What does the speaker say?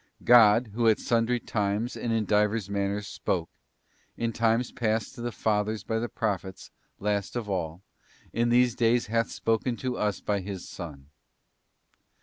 ' God, who at sundry times and in divers manners spoke, in times past to the fathers by the Prophets, last of all, in these days hath spoken to us by His Son.